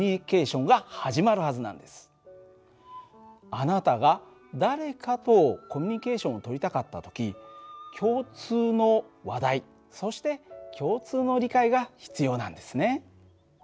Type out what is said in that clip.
あなたが誰かとコミュニケーションを取りたかった時共通の話題そして共通の理解が必要なんですね。